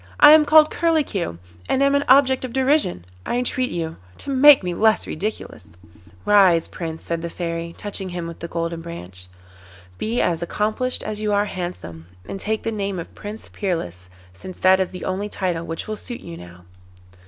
I am called Curlicue, and am an object of derision; I entreat you to make me less ridiculous.' 'Rise, Prince,' said the Fairy, touching him with the Golden Branch. 'Be as accomplished as you are handsome, and take the name of Prince Peerless, since that is the only title which will suit you now.